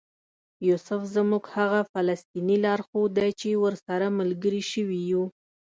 یوسف زموږ هغه فلسطینی لارښود دی چې ورسره ملګري شوي یو.